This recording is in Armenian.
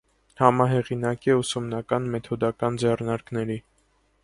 Համահեղինակ է ուսումնական մեթոդական ձեռնարկների։